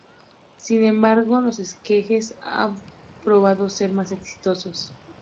Sin embargo, los esquejes han probado ser más exitosos.